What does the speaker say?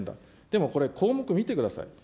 でもこれ、項目見てください。